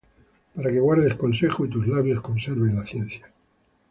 Para que guardes consejo, Y tus labios conserven la ciencia.